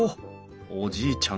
おじいちゃん